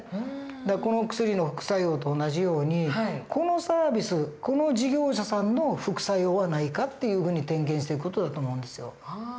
だからこの薬の副作用と同じようにこのサービスこの事業者さんの副作用はないかっていうふうに点検していく事だと思うんですよ。